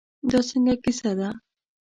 دا څنګه کیسه ده.